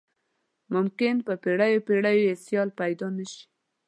ممکن په پیړیو پیړیو یې سیال پيدا نه شي.